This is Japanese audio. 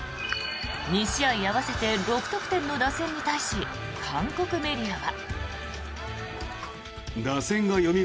２試合合わせて６得点の打線に対し韓国メディアは。